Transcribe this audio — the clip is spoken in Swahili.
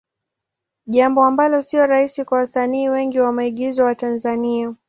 Jambo ambalo sio rahisi kwa wasanii wengi wa maigizo wa Tanzania.